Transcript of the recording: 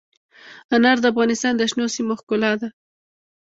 انار د افغانستان د شنو سیمو ښکلا ده.